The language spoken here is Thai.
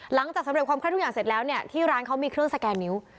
สำเร็จความไข้ทุกอย่างเสร็จแล้วเนี่ยที่ร้านเขามีเครื่องสแกนนิ้ว